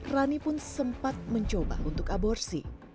rani pun sempat mencoba untuk aborsi